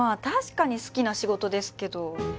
確かに好きな仕事ですけど。